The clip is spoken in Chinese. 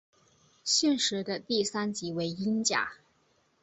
现时的第三级为英甲。